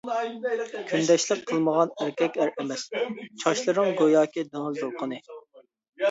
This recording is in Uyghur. كۈندەشلىك قىلمىغان ئەركەك ئەر ئەمەس، چاچلىرىڭ گوياكى دېڭىز دولقۇنى.